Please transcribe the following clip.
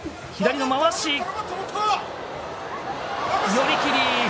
寄り切り。